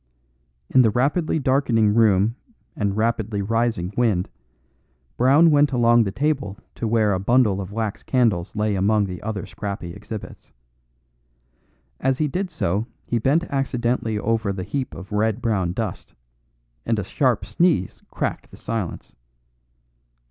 In the rapidly darkening room and rapidly rising wind, Brown went along the table to where a bundle of wax candles lay among the other scrappy exhibits. As he did so he bent accidentally over the heap of red brown dust; and a sharp sneeze cracked the silence.